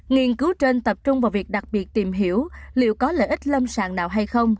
nghiên cứu trên tập trung vào việc đặc biệt tìm hiểu liệu có lợi ích lâm sàng nào hay không